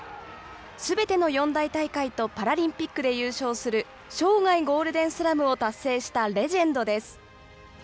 すべての４大大会とパラリンピックで優勝する生涯ゴールデンスラムを達成したレジェンドです。